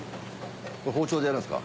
包丁でやるんですか？